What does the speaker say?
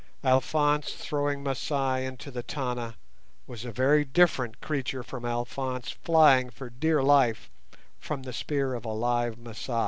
Alphonse throwing Masai into the Tana was a very different creature from Alphonse flying for dear life from the spear of a live Masai.